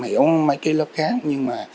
hiểu mấy cái lớp khác nhưng mà